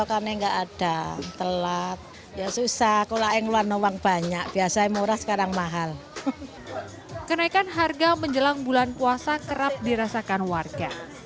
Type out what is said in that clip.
kenaikan harga menjelang bulan puasa kerap dirasakan warga